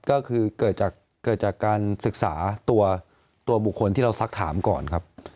ก็คือเกิดจากการศึกษาตัวบุคคลที่เราสักถามก่อนครับ